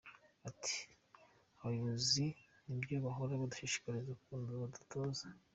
Ati “Abayobozi nibyo bahora badushishikariza ukuntu tuzatora.